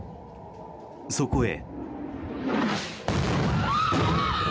そこへ。